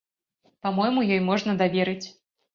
Па-мойму, ёй можна даверыць.